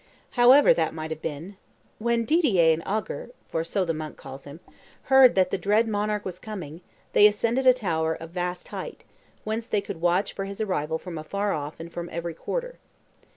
However that may have been, "when Didier and Ogger (for so the monk calls him) heard that the dread monarch was coming, they ascended a tower of vast height, whence they could watch his arrival from afar off and from every quarter.